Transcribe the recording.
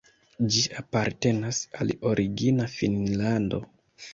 Ĝi apartenas al Origina Finnlando.